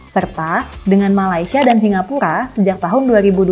serta dengan malaysia dan singapura sejak tahun dua ribu dua puluh